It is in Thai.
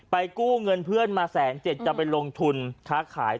กู้เงินเพื่อนมา๑๗๐๐จะไปลงทุนค้าขาย